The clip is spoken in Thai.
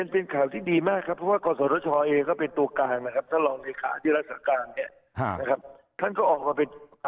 เป็นข่าวที่ดีมากครับเพราะว่าก่อนสวทชเองก็เป็นตัวกลางนะครับ